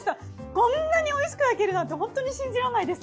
こんなにおいしく焼けるなんてホントに信じられないです。